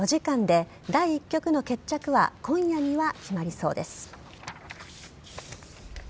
持ち時間はそれぞれ４時間で第１局の決着は今夜には決まりそうです。